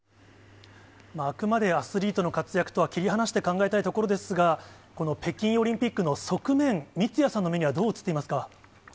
あくまでアスリートの活躍とは切り離して考えたいところですが、この北京オリンピックの側面、三屋さんの目にはどう映っていますか？